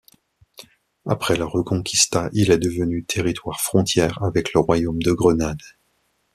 Après la Reconquista, il est devenu territoire frontière avec le Royaume de Grenade.